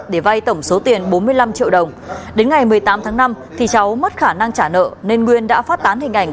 để vay tổng số tiền bốn mươi năm triệu đồng đến ngày một mươi tám tháng năm thì cháu mất khả năng trả nợ nên nguyên đã phát tán hình ảnh